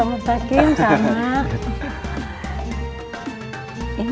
maaf air batin sama